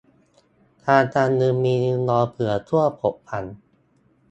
ทางการเงิน : มีเงินออมเผื่อช่วงผันผวน